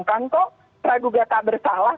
kan kok praduga tak bersalah